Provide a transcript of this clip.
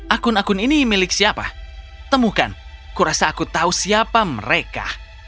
akun akun ini milik siapa temukan kurasa aku tahu siapa mereka